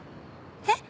えっ？